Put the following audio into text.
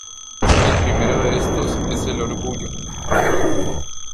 El primero de estos es el Orgullo.